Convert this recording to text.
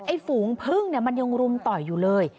ฝูงพึ่งเนี่ยมันยังรุมต่อยอยู่เลย